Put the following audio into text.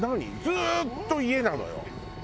ずっと家なのよ。